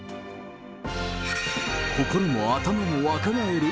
心も頭も若返る。